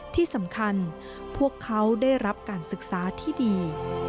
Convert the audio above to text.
ที่สำคัญพวกเขาได้รับการศึกษาที่ดี